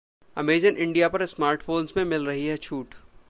Amazon India पर स्मार्टफोन्स में मिल रही है छूट